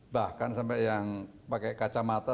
bahkan sampai yang pakai kacamata